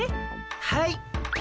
はい。